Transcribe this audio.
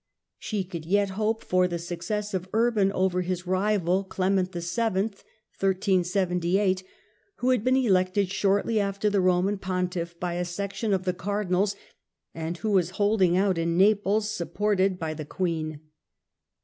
She could yet hope for the success Auti pope, of Urban over his rival Clement VII., who had been V1TT378 elected shortly after the Eoman Pontiff by a section of the Cardinals, and who was holding out in Naples, sup ported by the Queen.